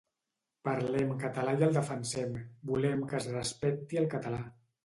Parlem català i el defensem, volem que es respecti el català.